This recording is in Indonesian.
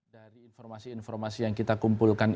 dari informasi informasi yang kita kumpulkan